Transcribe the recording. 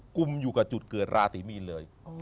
กลุ่มอยู่กับจุดเกิดราศีมีนเลย